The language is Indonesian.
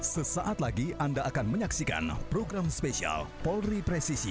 sesaat lagi anda akan menyaksikan program spesial polri presisi